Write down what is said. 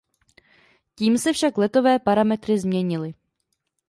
Tím se však letové parametry změnily.